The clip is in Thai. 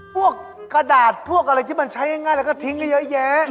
กระดาษพวกอะไรที่มันใช้ง่ายแล้วก็ทิ้งเยอะแยะ